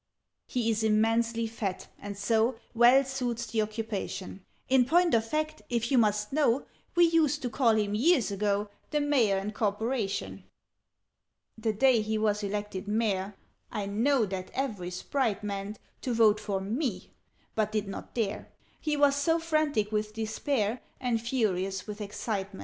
"He is immensely fat, and so Well suits the occupation: In point of fact, if you must know, We used to call him, years ago, The Mayor and Corporation! [Illustration: "HE GOES ABOUT AND SITS ON FOLK"] "The day he was elected Mayor I know that every Sprite meant To vote for me, but did not dare He was so frantic with despair And furious with excitement.